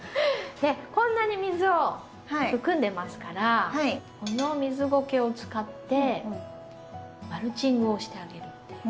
こんなに水を含んでますからこの水ごけを使ってマルチングをしてあげるっていう。